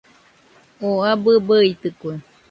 Oo abɨ bɨitɨkue